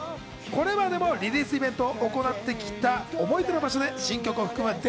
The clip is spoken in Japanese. これまでもリリースイベントを行ってきた思い出の場所で新曲を含む